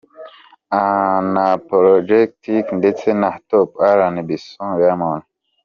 Unapologetic ndetse na Top RnB Song Diamond.